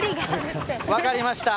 分かりました。